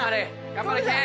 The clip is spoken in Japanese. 頑張れ慧。